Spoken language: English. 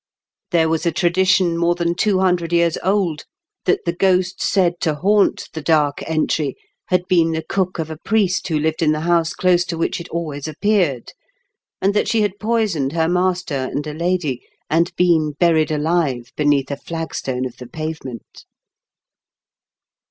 There was a tradition more than two hundred years old that the ghost said to haunt the Dark Entry had been the cook of a priest who Kved in the house close to which it always appeared, and that she had poisoned her master and a lady, and been buried alive beneath a flagstone of the pavement.